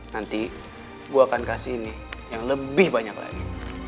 nanti gue akan kasih ini yang lebih banyak lagi